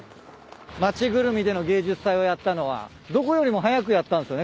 町ぐるみでの芸術祭をやったのはどこよりも早くやったんすよね